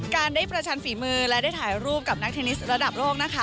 การได้ประชันฝีมือและได้ถ่ายรูปกับนักเทนนิสระดับโลกนะคะ